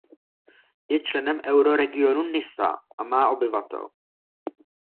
Je členem Euroregionu Nisa a má obyvatel.